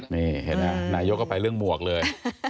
นี่เห็นไหมนายกก็ไปเรื่องหมวกเลย